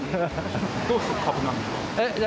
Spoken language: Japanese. どうして株主なんですか？